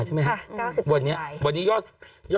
กล้องกว้างอย่างเดียว